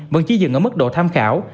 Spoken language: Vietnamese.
vẫn chỉ dừng ở mức độ tham khảo